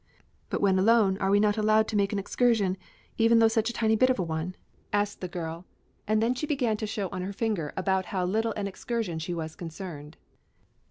"But when alone are we not allowed to make an excursion, even though such a tiny bit of a one?" asked the girl. And she began to show on her finger about how little an excursion she was concerned.